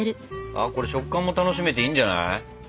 ああこれ食感も楽しめていいんじゃない？